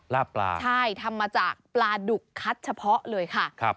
ปลาใช่ทำมาจากปลาดุกคัดเฉพาะเลยค่ะ